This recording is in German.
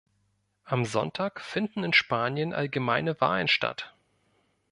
Am Sonntag finden in Spanien allgemeine Wahlen statt.